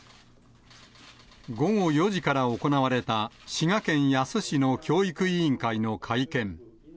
午後４時から行われた滋賀県野洲市の教育委員会の会見。